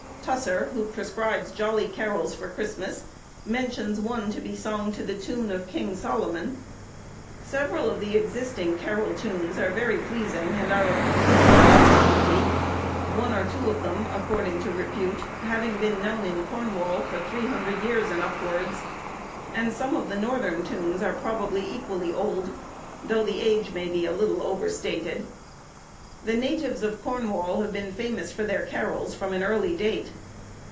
Tusser, who prescribes jolly carols for Christmas, mentions one to be sung to the tune of King Solomon. Several of the existing carol tunes are very pleasing, and are of considerable antiquity; one or two of them, according to repute, having been known in Cornwall for three hundred years and upwards; and some of the northern tunes are, probably, equally old, though the age may be a little overstated. The natives of Cornwall have been famous for their carols from an early date.